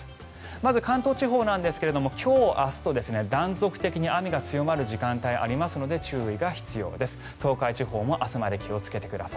まず、関東地方ですが今日明日と断続的に雨が強まる時間帯がありますので注意が必要です。